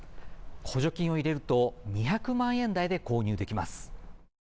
補助金を入れると２００万円台で購入できます。